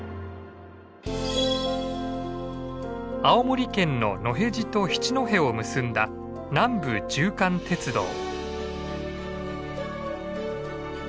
青森県の野辺地と七戸を結んだ南部縦貫鉄道。